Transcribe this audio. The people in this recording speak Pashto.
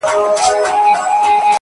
درومم چي له ښاره روانـــــېـــږمــــه-